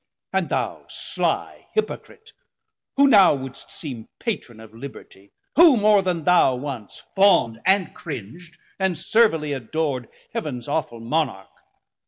And thou sly hypocrite, who now wouldst seem Patron of liberty, who more then thou Once fawn'd, and cring'd, and servilly ador'd Heav'ns awful Monarch?